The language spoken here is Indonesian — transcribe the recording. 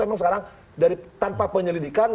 memang sekarang dari tanpa penyelidikan